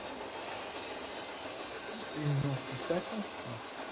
Il n'en fut pas ainsi.